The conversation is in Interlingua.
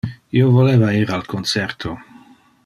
Io voleva ir al concerto.